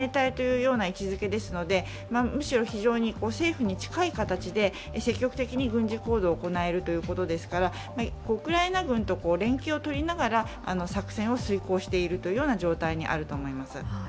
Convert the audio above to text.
今逆に、国家親衛隊というような位置づけですので、むしろ非常に政府に近い形で、積極的に軍事行動を行えるということですからウクライナ軍と連携をとりながら作戦を遂行しているというような状態にあると思います。